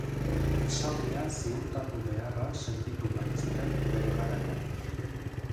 Esaldia ziurtatu beharra sentitu baitzuten bere garaian.